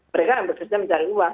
mereka yang bekerja mencari uang